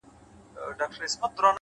مثبت فکرونه مثبت عادتونه زېږوي’